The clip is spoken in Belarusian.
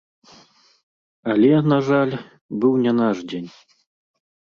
Але, на жаль, быў не наш дзень.